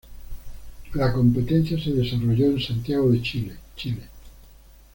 La competencia se desarrolló en Santiago de Chile, Chile.